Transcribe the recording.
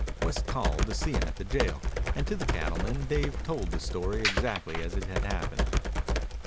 West called to see him at the jail, and to the cattleman Dave told the story exactly as it had happened.